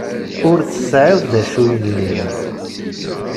Ur tesεiḍ d acu yellin.